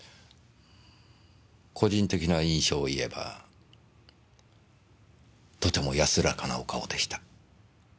個人的な印象を言えばとても安らかなお顔でした。